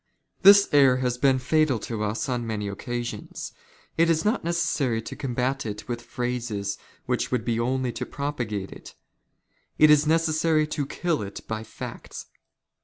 This error has been " fatal to us on many occasions. It is not necessary to combat " it with phrases which would be only to propagate it. It is *•' necessary to kill it by facts.